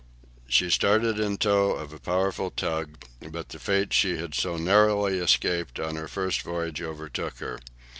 She started in tow of a powerful tug, but the fate she had so narrowly escaped on her first voyage overtook her.